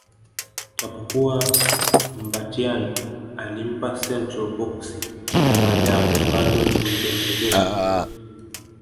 Japokuwa Mbatiany alimpa Santeu boksi la Maajabu ambalo lingemwezesha